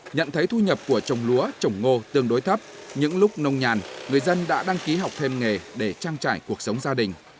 nhận thấy thu nhập của trồng lúa trồng ngô tương đối thấp những lúc nông nhàn người dân đã đăng ký học thêm nghề để trang trải cuộc sống gia đình